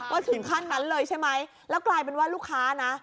ถึงขั้นนั้นเลยใช่ไหมแล้วกลายเป็นว่าลูกค้านะ